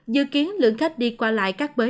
dự kiến lượng khách đi qua lại các bến